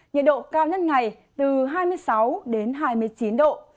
nhiệt độ cao nhất ngày từ hai mươi sáu đến hai mươi chín độ